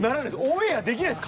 オンエアできないです